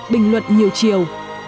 bình luận nhiều chiều